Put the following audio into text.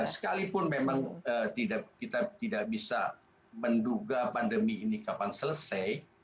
sekalipun memang kita tidak bisa menduga pandemi ini kapan selesai